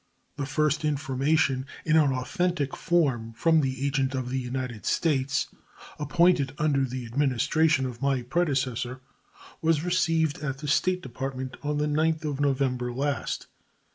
The first information in an authentic form from the agent of the United States, appointed under the Administration of my predecessor, was received at the State Department on the 9th of November last.